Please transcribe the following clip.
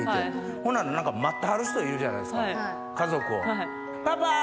ほんなら何か待ってはる人いるじゃないですか家族を。